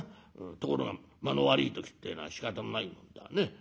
ところが間の悪い時ってえのはしかたのないもんだね。